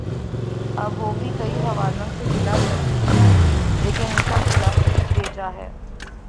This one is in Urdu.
اب وہ بھی کئی حوالوں سے گلہ کرتی ہیں لیکن ان کا گلہ بھی بے جا ہے۔